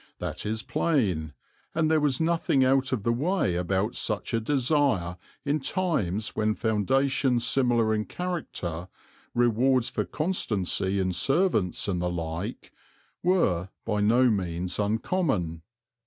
That is plain, and there was nothing out of the way about such a desire in times when foundations similar in character, rewards for constancy in servants and the like, were by no means uncommon.